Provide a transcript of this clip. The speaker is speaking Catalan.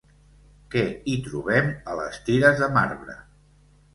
Què hi trobem a les tires de marbre?